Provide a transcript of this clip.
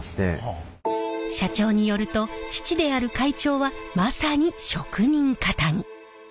社長によると父である会長はまさに職人かたぎ。